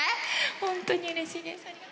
本当にうれしいです。